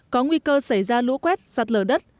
có nguy cơ xảy ra lũ quét sạt lở đất